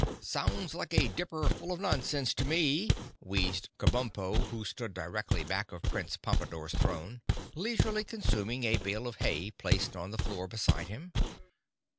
"Sounds like a dipper full of nonsense to me," wheezed Kabumpo, who stood directly back of Prince Pompadore's throne, leisurely consuming a bale of hay placed on the floor beside him.